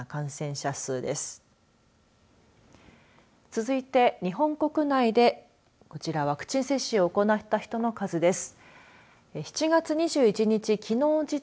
続いて日本国内でこちら、ワクチン接種を行った人の数です。